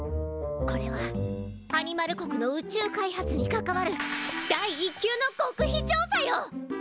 これはアニマル国の宇宙開発に関わる第一級の極秘調査よ！